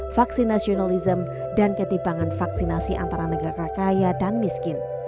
vaksin nasionalism dan ketimbangan vaksinasi antara negara kaya dan miskin